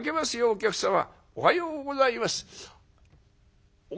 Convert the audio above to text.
お客様おはようございます」。